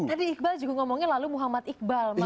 tadi iqbal juga ngomongin lalu muhammad iqbal